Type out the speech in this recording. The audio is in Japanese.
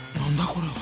これは。